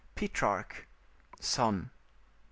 Petrarch, Son., 83.